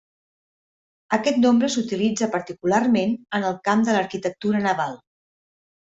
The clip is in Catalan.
Aquest nombre s'utilitza particularment en el camp de l'arquitectura naval.